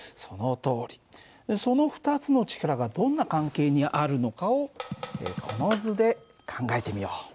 その２つの力がどんな関係にあるのかをこの図で考えてみよう。